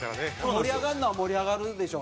盛り上がるのは盛り上がるでしょ。